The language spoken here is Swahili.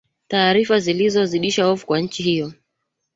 taarifa zilizo zidisha hofu kwa nchi hiyo